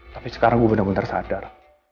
tapi sekarang gue bener bener sadar